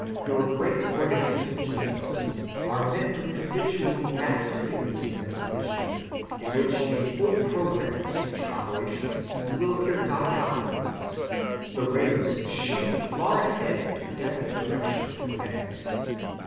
Your great organizing geniuses are men with habitually vast fields of mental vision, in which a whole programme of future operations will appear dotted out at once, the rays shooting far ahead into definite directions of advance.